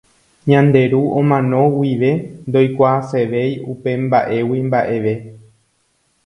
Ñande ru omano guive ndoikuaasevéi upemba'égui mba'eve.